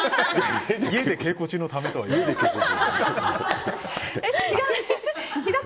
家で稽古中のためとは言わないですが。